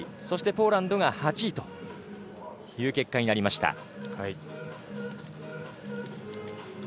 そしてポーランドが８位という結果になりました。